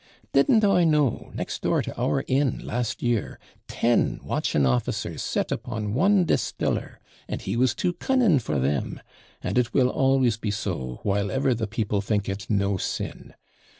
Didn't I know, next door to our inn, last year, ten WATCHING OFFICERS set upon one distiller, and he was too cunning for them; and it will always be so, while ever the people think it no sin.